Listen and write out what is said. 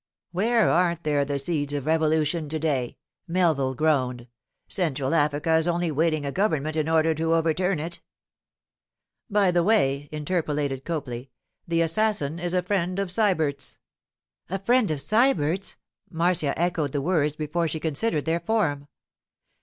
'Where aren't there the seeds of revolution to day?' Melville groaned. 'Central Africa is only waiting a government in order to overturn it.' 'By the way,' interpolated Copley, 'the assassin is a friend of Sybert's.' 'A friend of Sybert's!' Marcia echoed the words before she considered their form.